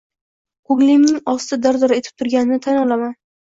Ko‘nglimning osti dir-dir etib turganini tan olaman.